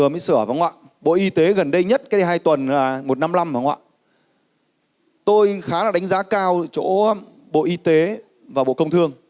tôi đã đánh giá vừa mới sửa bộ y tế gần đây nhất cái hai tuần là một trăm năm mươi năm tôi khá là đánh giá cao chỗ bộ y tế và bộ công thương